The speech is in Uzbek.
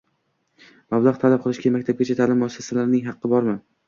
mablag‘ talab qilishga maktabgacha ta’lim muassasasining haqqi bormi?